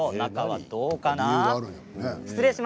中はどうかな。